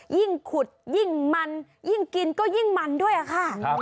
ยิ่งขุดยิ่งมันยิ่งกินก็ยิ่งมันด้วยค่ะ